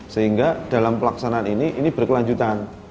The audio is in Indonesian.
sehingga dalam pelaksanaan ini ini berkelanjutan